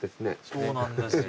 そうなんですよ。